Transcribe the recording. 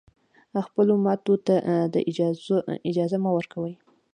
خپلو ماتو ته دا اجازه مه ورکوی